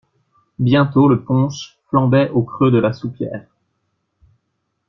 Bientôt le punch flambait au creux de la soupière.